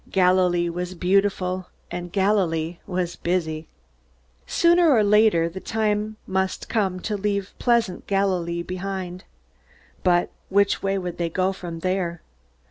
Galilee was beautiful, and Galilee was busy. Sooner or later the time must come to leave pleasant Galilee behind. But which way would they go from there?